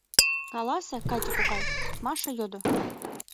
Каласе, Катя кокай, — Маша йодо.